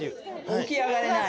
起き上がれない。